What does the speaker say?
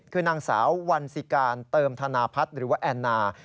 คือนางสาววันสิการเติมธนาพัฒน์หรือว่าแอนนา